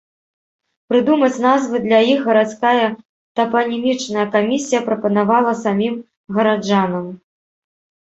Прыдумаць назвы для іх гарадская тапанімічная камісія прапанавала самім гараджанам.